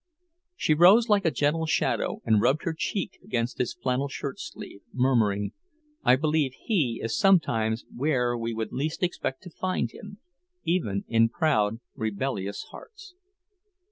She rose like a gentle shadow and rubbed her cheek against his flannel shirt sleeve, murmuring, "I believe He is sometimes where we would least expect to find Him, even in proud, rebellious hearts."